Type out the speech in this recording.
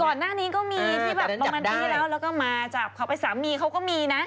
ก่อนหน้านี้ก็มีที่แบบประมาณปีที่แล้วแล้วก็มาจับเขาไปสามีเขาก็มีนะ